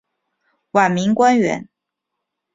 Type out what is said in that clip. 晚明官员。